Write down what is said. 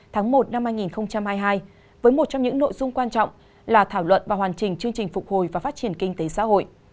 tháng một năm hai nghìn hai mươi hai với một trong những nội dung quan trọng là thảo luận và hoàn chỉnh chương trình phục hồi và phát triển kinh tế xã hội